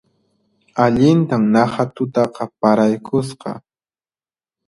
Allintan naqha tutaqa paraykusqa